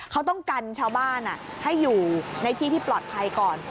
เขาต้องกันชาวบ้านให้อยู่ในที่ที่ปลอดภัยก่อน